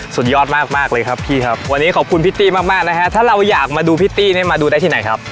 สุดยอดมากเลยครับพี่ครับวันนี้ขอบคุณพี่ตี้มากมากนะฮะถ้าเราอยากมาดูพี่ตี้เนี่ยมาดูได้ที่ไหนครับ